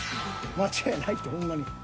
間違いないってほんまに。